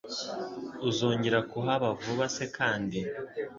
Uzongera kuhaba vuba se kandi